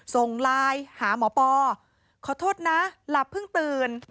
ส่งไลน์หาหมอปอขอโทษนะหลับเพิ่งตื่น